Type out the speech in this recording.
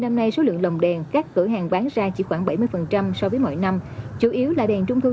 một nhân tử trung thu